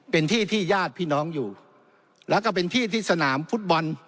เป็นที่ที่ญาติพี่น้องอยู่แล้วก็เป็นที่ที่สนามฟุตบอล